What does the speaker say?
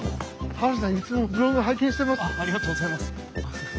ハルさんいつもブログ拝見してます。